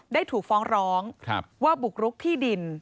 ได้ถูกฟ้องร้องว่าบุกรุกที่ดิน